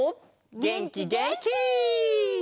げんきげんき！